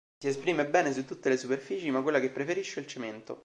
Si esprime bene su tutte le superfici, ma quella che preferisce è il cemento.